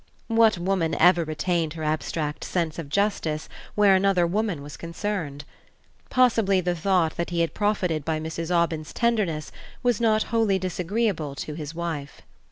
What woman ever retained her abstract sense of justice where another woman was concerned? Possibly the thought that he had profited by Mrs. Aubyn's tenderness was not wholly disagreeable to his wife.